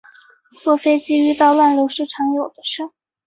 坐飞机遇到乱流是常有的事